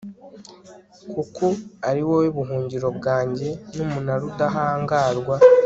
kuko ari wowe buhungiro bwanjye, n'umunara udahangarwa